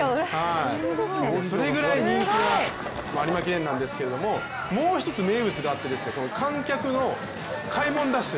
それぐらい人気の有馬記念なんですけどもう一つ名物があって、観客の開門ダッシュ。